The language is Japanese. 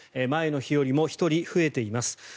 前の日よりも１人増えています。